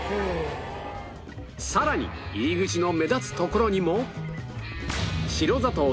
さらに入り口の目立つところにも